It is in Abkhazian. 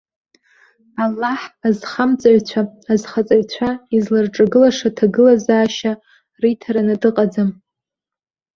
Аллаҳ азхамҵаҩцәа азхаҵаҩцәа изларҿагылаша аҭагылазааша риҭараны дыҟаӡам.